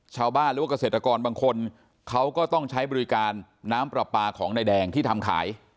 ชาวบ้านหรือว่าเกษตรกรบางคนเขาก็ต้องใช้บริการน้ำปลาปลาของนายแดงที่ทำขาย